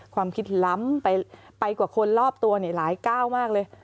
ความคิดล้ำไปกว่าคนรอบตัวหลายก้าวมากเลย